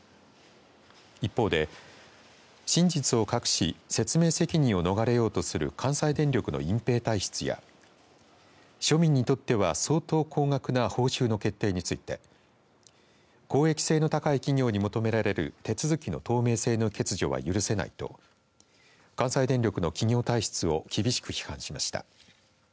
一方で、真実を隠し説明責任を逃れようとする関西電力の隠蔽体質や庶民にとっては相当高額な報酬の決定について公益性の高い企業に求められる手続きの透明性の欠如は許せないと関西電力の企業体質を厳しく批判しました。